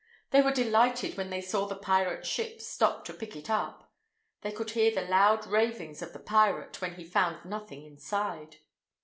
They were delighted when they saw the pirate's ship stop to pick it up. They could hear the loud ravings of the pirate when he found nothing inside.